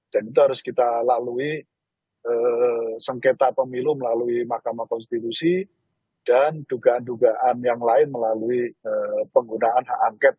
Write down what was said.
dan itu harus kita lalui sengketa pemilu melalui mahkamah konstitusi dan dugaan dugaan yang lain melalui penggunaan hak angket